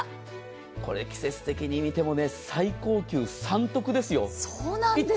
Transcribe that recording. これ、季節的に見ても最高級３特ですよ。